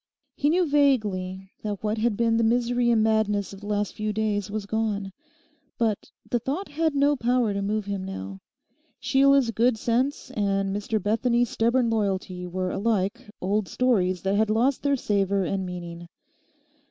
He knew vaguely that what had been the misery and madness of the last few days was gone. But the thought had no power to move him now. Sheila's good sense, and Mr Bethany's stubborn loyalty were alike old stories that had lost their savour and meaning.